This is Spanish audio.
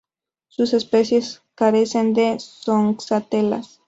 Sus especies carecen de zooxantelas.